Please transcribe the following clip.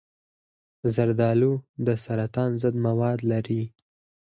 زردآلو د سرطان ضد مواد لري.